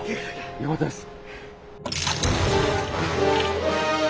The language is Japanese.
よかったです。